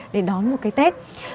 để đón một cái tết